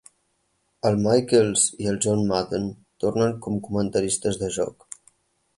Al Michaels i John Madden tornen com comentaristes de joc.